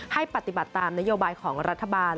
ให้ปฏิบัติตามนโยบายของรัฐบาล